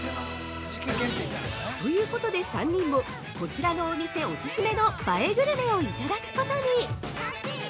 ということで３人もこちらのお店おススメの映えグルメをいただくことに。